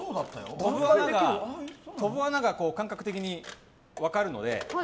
飛ぶ穴が感覚的に分かるので。